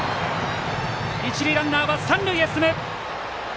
一塁ランナーは三塁へ。